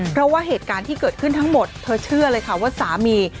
เพราะว่าเหตุการณ์ที่เกิดขึ้นทั้งหมดเธอเชื่อเลยค่ะว่าสามี